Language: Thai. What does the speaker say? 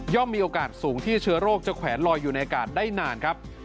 มีโอกาสสูงที่เชื้อโรคจะแขวนลอยอยู่ในอากาศได้นานครับ